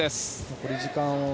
残り時間を。